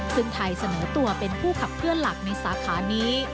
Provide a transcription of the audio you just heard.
ซึ่งไทยเสนอตัวเป็นผู้ขับเคลื่อนหลักในสาขานี้